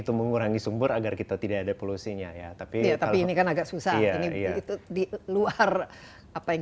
itu mengurangi sumber agar kita tidak ada polusinya ya tapi ya tapi ini kan agak susah ini itu di luar apa yang